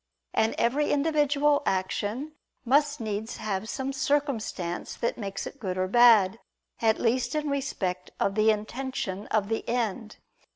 And every individual action must needs have some circumstance that makes it good or bad, at least in respect of the intention of the end.